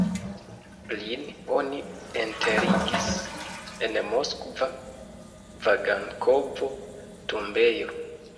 Lin oni enterigis en moskva Vagankovo-tombejo.